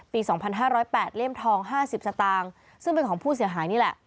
๒๕๐๘เล่มทอง๕๐สตางค์ซึ่งเป็นของผู้เสียหายนี่แหละ